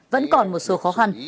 vẫn còn một số khó khăn